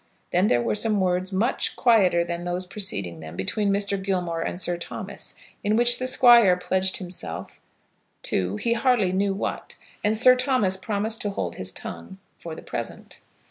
Then there were some words, much quieter than those preceding them, between Mr. Gilmore and Sir Thomas, in which the Squire pledged himself to, he hardly knew what, and Sir Thomas promised to hold his tongue, for the present.